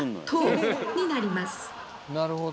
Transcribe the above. なるほど。